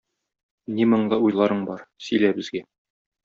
Ни моңлы уйларың бар - сөйлә безгә!